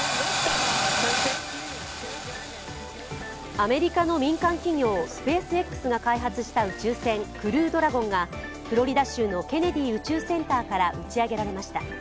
アメリカの民間企業スペースＸが開発した宇宙船「クルードラゴン」がフロリダ州のケネディ宇宙センターから打ち出されました。